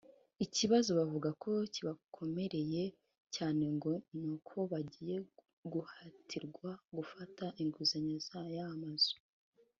Ikibazo bavuga ko kibakomereye cyane ngo ni uko bagiye guhatirwa gufata inguzanyo y’amazu